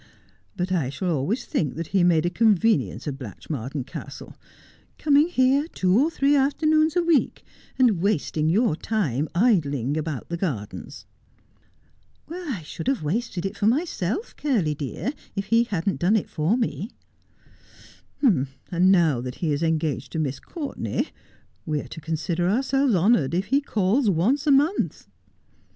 But I shall always think that he made a convenience of Blatchmardean Castle — coming here two or three afternoons a week, and wasting your time idling about the gardens.' ' I should have wasted it for myself, Curly dear, if he hadn't done it for me.' ' And now that he is engaged to Miss Courtenay we are to consider ourselves honoured if he calls once a month.'